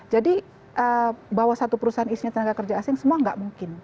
jadi bahwa satu perusahaan isinya tenaga kerja asing semua nggak mungkin